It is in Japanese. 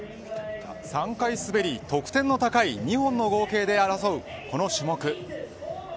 ３回滑り、得点の高い２本の合計で争うこの種目。